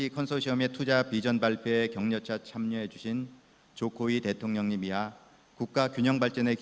kepada presiden park dae sung